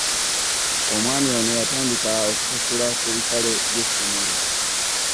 Omwami nno yatandika okusasula ku bisale by'essomero?